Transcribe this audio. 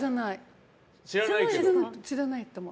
知らないと思う。